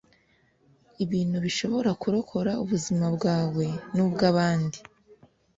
Ibintu bishobora kurokora ubuzima bwawe n’ubw’abandi